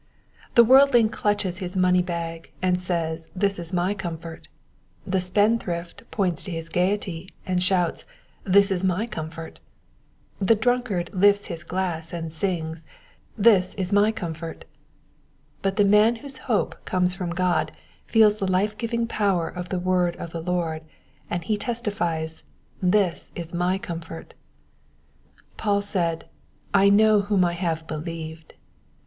The worldling clutches his money bag, and says, this is my comfort" ; the spendthrift points to his gaiety, and shouts, *^ this is my comfort"; the drunkard lifts his glass, and sings, this is my comfort "; but the man whose hope comes from God feels the life eiving power of the word of the Lord, and he testifies, this is my com fort." Paul said, I know whom I have believed."